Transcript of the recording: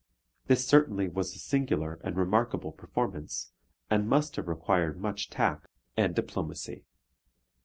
This certainly was a singular and remarkable performance, and must have required much tact and diplomacy.